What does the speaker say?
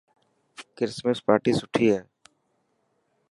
ڪرسمس پارٽي سٺي هتي.